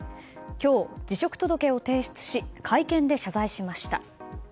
今日、辞職届を提出し会見で謝罪しました。